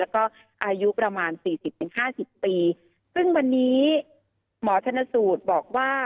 แล้วก็อายุประมาณ๔๐๕๐ปีซึ่งวันนี้หมอธนสูตรบอกว่า